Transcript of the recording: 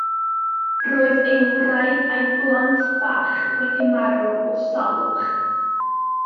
Roedd ei wraig a'i blant bach wedi marw o salwch.